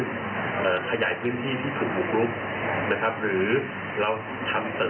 แล้วตอนที่เราจะได้เกือบอีกครั้งหนึ่งผมจำชื่อไม่ได้เอ่อน้ำปี